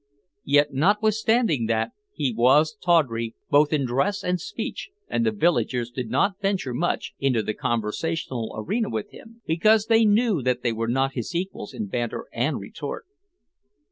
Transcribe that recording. Yet notwithstanding that he was tawdry both in dress and speech the villagers did not venture much into the conversational arena with him because they knew that they were not his equals in banter and retort.